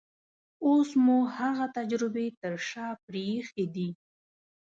اوس مو هغه تجربې تر شا پرېښې دي.